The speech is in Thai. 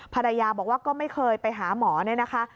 ภรรยาบอกว่าก็ไม่เคยไปหาหมอเนี่ยนะคะ